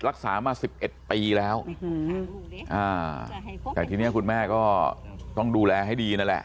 รักษามา๑๑ปีแล้วแต่ทีนี้คุณแม่ก็ต้องดูแลให้ดีนั่นแหละ